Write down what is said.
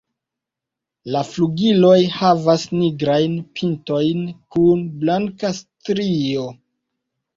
La flugiloj havas nigrajn pintojn kun blanka strio.